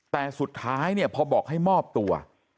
แต่สุดท้ายเนี่ยพอบอกให้มอบตัว